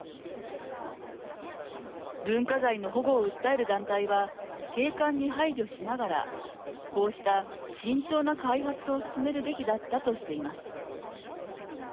文化財の保護を訴える団体は景観に配慮しながらこうした慎重な開発を進めるべきだったとしています。